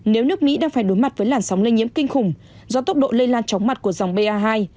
nếu nước mỹ đang phải đối mặt với làn sóng lây nhiễm kinh khủng do tốc độ lây lan chóng mặt của dòng ba